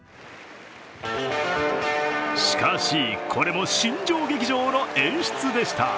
しかし、これも新庄劇場の演出でした。